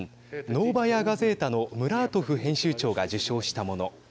ノーバヤ・ガゼータのムラートフ編集長が受賞したもの。